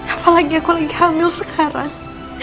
apalagi aku lagi hamil sekarang